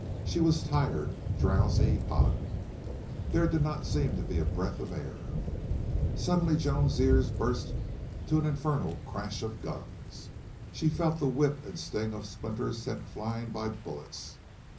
She was tired, drowsy, hot. There did not seem to be a breath of air. Suddenly Joan's ears burst to an infernal crash of guns. She felt the whip and sting of splinters sent flying by bullets.